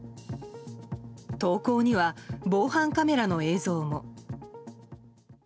投稿には、防犯カメラの映像も。